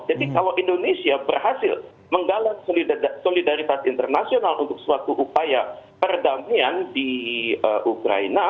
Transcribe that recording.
jadi kalau indonesia berhasil menggalak solidaritas internasional untuk suatu upaya perdamaian di ukraina